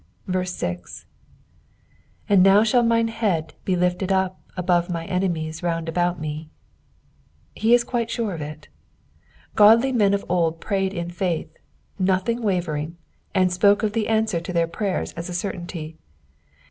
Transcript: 0. " Aad note thoQ mitie Aeadbe lifted up above nine enemiet round about me." — £e is quite sure of it Godly men of old prayed in faith, nothing wavering, and spokeof the answer to their prayers as a certainty.